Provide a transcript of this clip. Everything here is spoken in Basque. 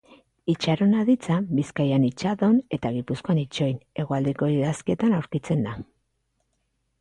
Itxaron aditza, Bizkaian itxadon eta Gipuzkoan itxoin, Hegoaldeko idazkietan aurkitzen da.